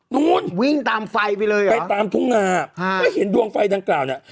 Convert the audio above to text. นู้นป้ายตามทุกข์งาวได้เห็นดวงไฟดังกล่าวเนี่ย